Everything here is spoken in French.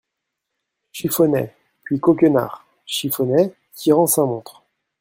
Chiffonnet ; puis Coquenard Chiffonnet , tirant sa montre.